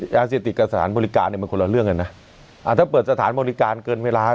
ยาเสพติดกับสถานบริการเนี่ยมันคนละเรื่องกันนะอ่าถ้าเปิดสถานบริการเกินเวลา